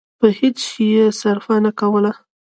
په هېڅ شي يې صرفه نه کوله.